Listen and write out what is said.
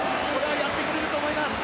やってくれると思います。